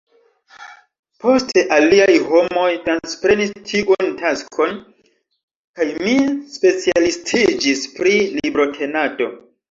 Poste aliaj homoj transprenis tiun taskon, kaj mi specialistiĝis pri librotenado.